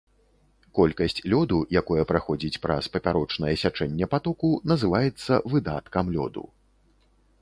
Колькасць лёду, якое праходзіць праз папярочнае сячэнне патоку, называецца выдаткам лёду.